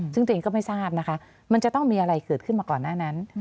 ซึ่งตัวเองก็ไม่ทราบนะคะมันจะต้องมีอะไรเกิดขึ้นมาก่อนหน้านั้น